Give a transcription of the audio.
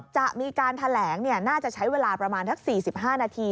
จะมีการแถลงน่าจะใช้เวลาประมาณสัก๔๕นาที